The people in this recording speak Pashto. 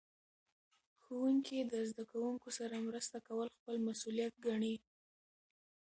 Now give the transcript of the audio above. ښوونکي د زده کوونکو سره مرسته کول خپل مسؤلیت ګڼي.